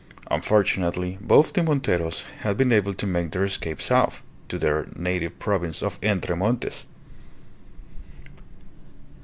Unfortunately, both the Monteros had been able to make their escape south, to their native province of Entre Montes.